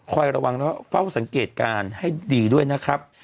คอยระวังนะครับเฝ้าสังเกตการให้ดีด้วยนะครับ